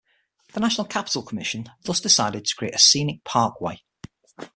The National Capital Commission thus decided to create a scenic parkway.